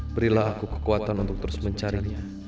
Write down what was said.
berilah aku kekuatan untuk terus mencarinya